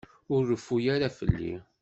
Ur reffu ara fell-i.